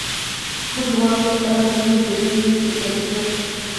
موږ غواړو چې خلک موږ جدي ونیسي ایس میکس